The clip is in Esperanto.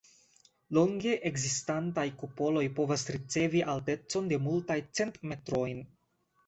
Longe ekzistantaj kupoloj povas ricevi altecon de multaj cent metrojn.